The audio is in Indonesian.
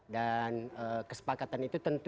dan kesepakatan itu tentu